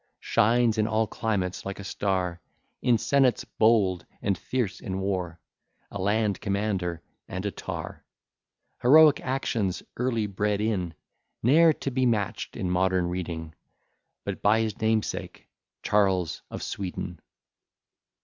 Shines in all climates like a star; In senates bold, and fierce in war; A land commander, and a tar: Heroic actions early bred in, Ne'er to be match'd in modern reading, But by his namesake, Charles of Sweden.